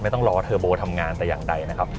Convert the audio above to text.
ต้องรอเทอร์โบทำงานแต่อย่างใดนะครับ